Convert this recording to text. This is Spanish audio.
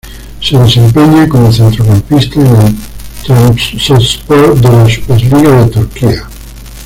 Se desempeña como centrocampista en el Trabzonspor de la Superliga de Turquía.